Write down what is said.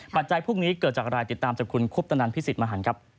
จัยพวกนี้เกิดจากอะไรติดตามจากคุณคุปตนันพิสิทธิมหันครับ